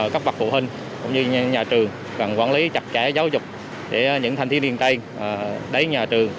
các bậc phụ hình cũng như nhà trường cần quản lý chặt chẽ giáo dục để những thanh niên liên tây đánh nhà trường